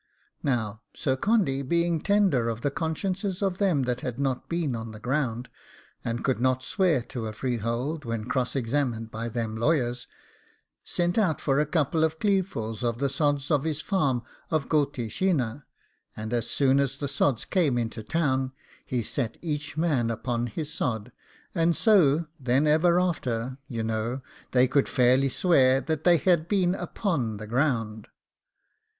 Now, Sir Condy being tender of the consciences of them that had not been on the ground, and so could not swear to a freehold when cross examined by them lawyers, sent out for a couple of cleavesful of the sods of his farm of Gulteeshinnagh; and as soon as the sods came into town, he set each man upon his sod, and so then, ever after, you know, they could fairly swear they had been upon the ground.